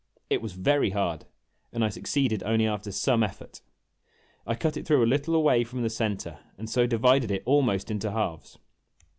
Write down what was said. It was very hard, and I succeeded only after some effort. I cut it through a little away from the center, and so divided it almost into halves.